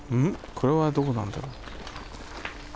これはどこなんだろう？